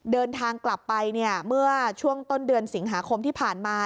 เดินทางกลับไปเนี่ยเมื่อช่วงต้นเดือนสิงหาคมที่ผ่านมา